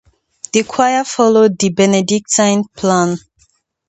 The choir followed the Benedictine plan.